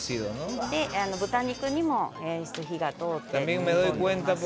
豚肉にも火が通っています。